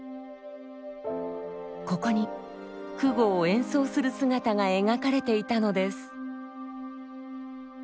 ここに箜篌を演奏する姿が描かれていたのです。